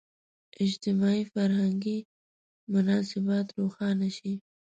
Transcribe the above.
اجتماعي – فرهنګي مناسبات روښانه شي.